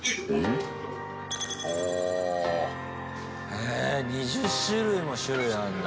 へえ、２０種類も種類あるんだ。